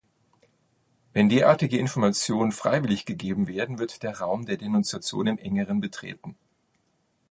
Wenn derartige Informationen freiwillig gegeben werden, wird der Raum der Denunziation im Engeren betreten.